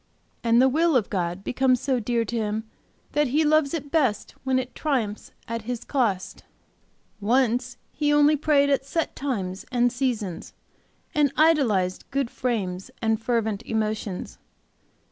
And the will of God becomes so dear to him that he loves it best when it 'triumphs at his cost.' "Once he only prayed at set times and seasons, and idolized good frames and fervent emotions.